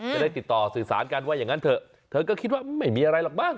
จะได้ติดต่อสื่อสารกันว่าอย่างนั้นเถอะเธอก็คิดว่าไม่มีอะไรหรอกมั้